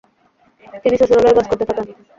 তিনি শ্বশুরালয়ে বাস করতে থাকেন।